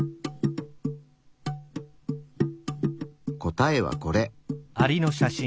答えはこれ。